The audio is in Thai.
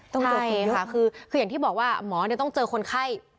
โอเคค่ะคืออย่างที่บอกว่าหมอต้องเจอคนไข้